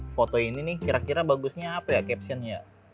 foto ini nih kira kira bagusnya apa ya captionnya